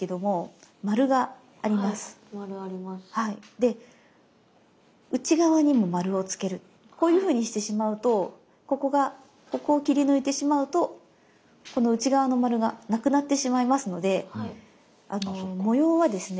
で内側にも丸をつけるこういうふうにしてしまうとここがここを切り抜いてしまうとこの内側の丸がなくなってしまいますので模様はですね